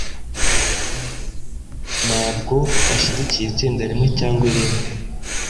Ntabwo bashyigikiye itsinda rimwe cyangwa irindi.